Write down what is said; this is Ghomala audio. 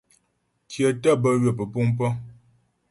Kyə̀ tə́ bə ywə pə́puŋ pə̀.